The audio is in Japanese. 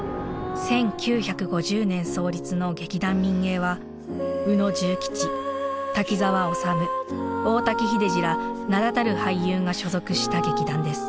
１９５０年創立の「劇団民藝」は宇野重吉滝沢修大滝秀治ら名だたる俳優が所属した劇団です。